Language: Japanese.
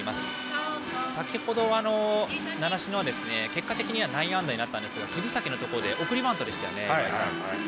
先程、習志野は結果的には内野安打になりましたが藤崎のところで送りバントでしたよね。